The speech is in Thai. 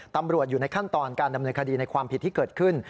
ตำรวจอยู่ในขั้นตอนการดำเนินคดีในความผิดที่เกิดขึ้น